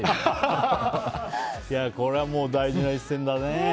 これはもう大事な一戦だね。